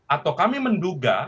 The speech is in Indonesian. atau kami menduga